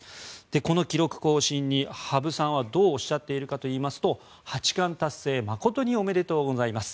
この記録更新に羽生さんはどうおっしゃっているかといいますと八冠達成誠におめでとうございます。